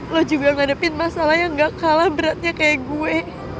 lo juga ngadepin masalah yang gak kalah beratnya kayak gue